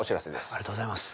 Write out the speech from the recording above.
ありがとうございます。